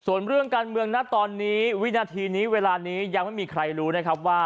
ส่วนเรื่องการเมืองนะตอนนี้วินาทีนี้เวลานี้ยังไม่มีใครรู้นะครับว่า